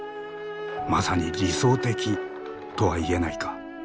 まさに理想的とは言えないか。